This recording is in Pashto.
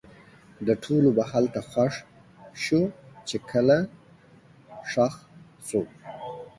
د ټولو به هلته خوښ شو؛ چې کله ښخ سو